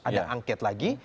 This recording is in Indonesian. ada angket lagi